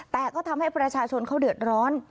แต่ก็ทำให้ประชาชนเขาเดือดร้อน